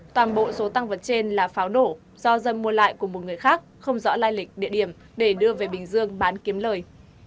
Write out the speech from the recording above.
toàn bộ số tăng vật trên là pháo nổ do dân mua lại của một người khác không rõ lai lịch địa điểm để đưa về bình dương bán kiếm lời